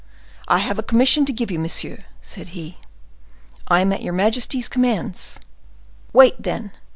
"I have a commission to give you, monsieur," said he. "I am at your majesty's commands." "Wait, then."